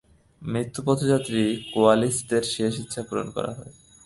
মৃত্যুপথযাত্রী কোয়ালিস্টদের শেষ ইচ্ছা পূর্ণ করা হয়।